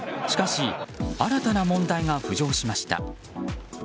しかし新たな問題が浮上しました。